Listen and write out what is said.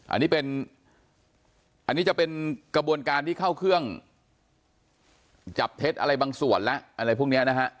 อันนี้เป็นอันนี้จะเป็นกระบวนการที่เข้าเครื่องจับเท็จอะไรบางส่วนแล้วอะไรพวกนี้นะฮะ